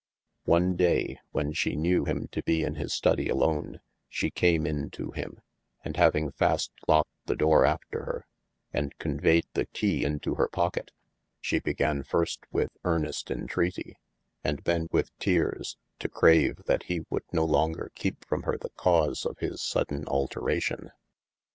One day when shee knew him to be in his study alone, she came in to him, and having fast locked the doore after hir, & conveyed the keye into hir pocket, she began first with earnest entreaty, and then with teares to crave that he woulde no longer keepe from hir the cause of his sodaine alteration.